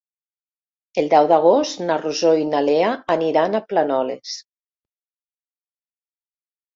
El deu d'agost na Rosó i na Lea aniran a Planoles.